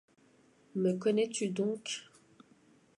Me connais-tu donc ?